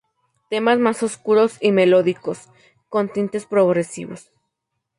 Temas más oscuros y melódicos, con tintes progresivos.